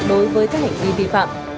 đối với các hành vi vi phạm